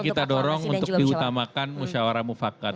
kita dorong untuk diutamakan musyawarah mufakat